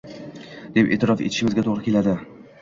deb e’tirof etishimizga to‘g‘ri keladi.